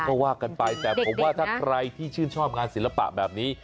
ก็ว่ากันไปแต่ผมว่าถ้าใครที่ชื่นชอบงานศิลปะแบบนี้